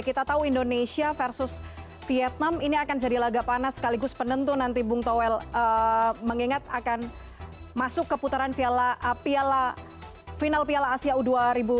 kita tahu indonesia versus vietnam ini akan jadi laga panas sekaligus penentu nanti bung towel mengingat akan masuk keputaran final piala asia u dua puluh dua ribu dua puluh tiga